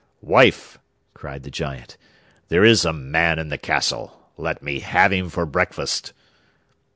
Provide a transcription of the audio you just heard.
'Wife,' cried the Giant, 'there is a man in the castle. Let me have him for breakfast.